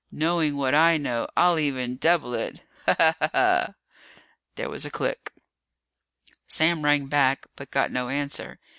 "Knowin' what I know, I'll even double it. Ha ha, ha ha!" There was a click. Sam rang back, but got no answer.